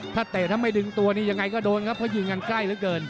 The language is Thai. ถ้าเตะถ้าไม่ดึงตัวนี่ยังไงก็โดนครับเพราะยิงกันใกล้เหลือเกิน